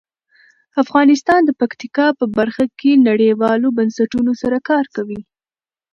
افغانستان د پکتیکا په برخه کې نړیوالو بنسټونو سره کار کوي.